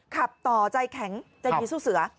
ขับต่อใจแข็งใจดีสู้เสือ